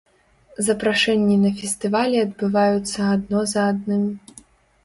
Запрашэнні на фестывалі адбываюцца адно за адным.